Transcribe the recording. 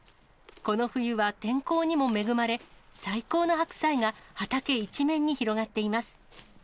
この冬は天候にも恵まれ、最高の白菜が畑一面に広がっています。